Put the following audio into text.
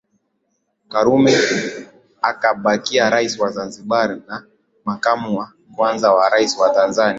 Karume akabakia Rais wa Zanzibar na Makamu wa Kwanza wa Rais wa Tanzania